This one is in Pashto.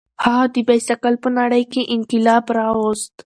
هغه د بایسکل په نړۍ کې انقلاب راوست.